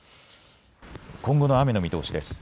今後の雨の見通しです。